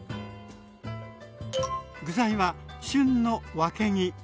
具材は旬のわけぎ。